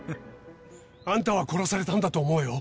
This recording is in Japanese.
あんたは殺されたんだと思うよ。